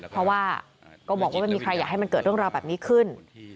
เพราะว่าก็บอกว่าไม่มีใครอยากให้มันเกิดเรื่องราวแบบนี้ขึ้น